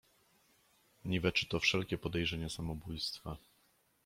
"Niweczy to wszelkie podejrzenie samobójstwa."